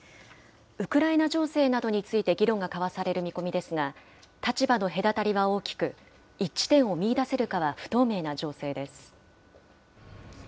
ウクライナ情勢などについて議論が交わされる見込みですが、立場の隔たりは大きく、一致点を見いだせるかは不透明な情勢です。